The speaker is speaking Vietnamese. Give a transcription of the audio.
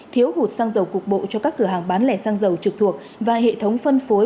thiếu hụt xăng dầu cục bộ cho các cửa hàng bán lẻ xăng dầu trực thuộc và hệ thống phân phối